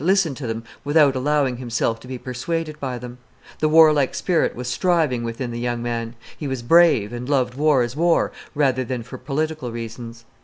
listened to them without allowing himself to be persuaded by them; the warlike spirit was striving within the young man; he was brave, and loved war as war rather than for political reasons.